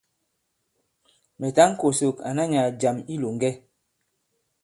Mɛ̀ tǎŋ kòsòk àna nyàà jàm i ilòŋgɛ.